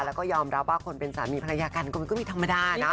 แล้วก็ยอมรับว่าคนเป็นสามีภรรยากันก็มันก็มีธรรมดานะ